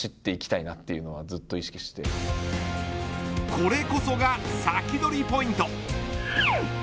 これこそがサキドリポイント。